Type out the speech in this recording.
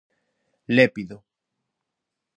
Lépido.